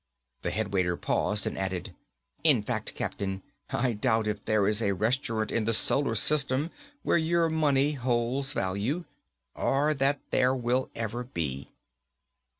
The head waiter paused and added, "in fact, Captain, I doubt if there is a restaurant in the Solar System where your money holds value. Or that there will ever be."